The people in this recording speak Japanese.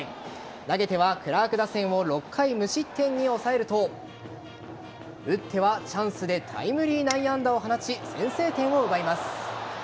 投げてはクラーク打線を６回無失点に抑えると打っては、チャンスでタイムリー内野安打を放ち先制点を奪います。